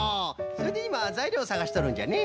それでいまざいりょうをさがしとるんじゃね。